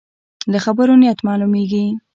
له خبرو نیت معلومېږي.